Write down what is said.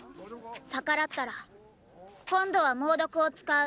逆らったら今度は猛毒を使う。